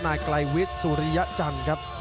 นายไกลวิทสุริยจันครับ